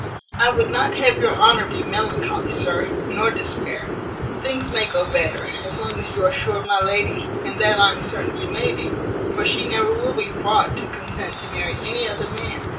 I would not have your honour be melancholy, sir, nor despair; things may go better, as long as you are sure of my lady, and that I am certain you may be; for she never will be brought to consent to marry any other man.